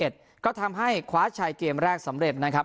ก็ทำให้คว้าชัยเกมแรกสำเร็จนะครับ